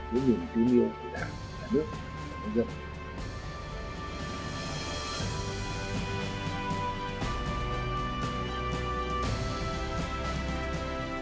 của những ký miêu của đảng nhà nước và người dân